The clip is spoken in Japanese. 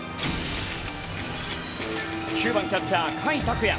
９番キャッチャー、甲斐拓也。